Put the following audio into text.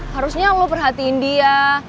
harusnya lo perhatiin dia